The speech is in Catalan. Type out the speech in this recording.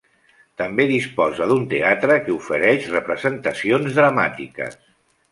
També disposa d'un teatre que ofereix representacions dramàtiques.